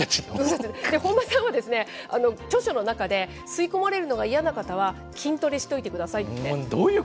本間さんはですね、著書の中で、吸い込まれるのが嫌な方は、筋トレしておいてくださいって。